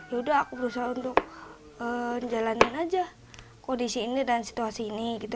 yaudah aku berusaha untuk menjalankan aja kondisi ini dan situasi ini gitu